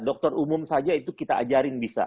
dokter umum saja itu kita ajarin bisa